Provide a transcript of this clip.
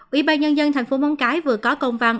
ủy ban nhân dân thành phố móng cái vừa có công văn